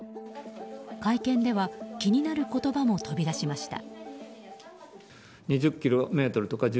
会見では気になる言葉も飛び出しました。